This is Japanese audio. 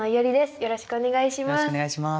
よろしくお願いします。